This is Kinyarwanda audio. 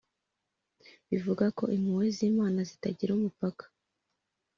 bivuga ko impuhwe z’imana zitagira umupaka,